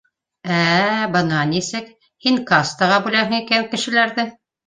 — Ә-ә, бына нисек, һин кастаға бүләһең икән кешеләрҙе